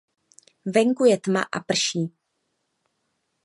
Venku je tma a prší.